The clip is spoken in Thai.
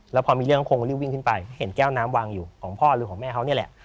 แล้วพอมีเรื่องคงรีบวิ่งขึ้นไปเห็นแก้วน้ำวางอยู่ของพ่อหรือของแม่เขานี่แหละ